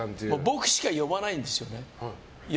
僕しか呼ばないんですよね。